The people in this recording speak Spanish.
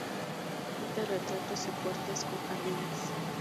Pinta retratos y puertas con jardines.